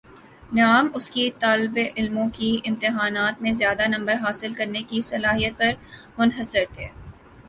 نعام اس کی طالبعلموں کی امتحان میں زیادہ نمبر حاصل کرنے کی صلاحیت پر منحصر تھا